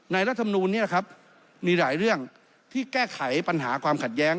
รัฐมนูลนี้นะครับมีหลายเรื่องที่แก้ไขปัญหาความขัดแย้ง